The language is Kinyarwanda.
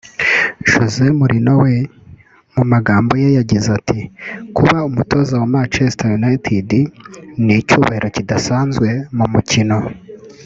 José Mourinho we mu magambo ye yagize ati “Kuba umutoza wa Manchester United ni icyubahiro kidasanzwe mu mukino